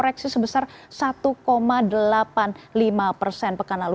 koreksi sebesar satu delapan puluh lima persen pekan lalu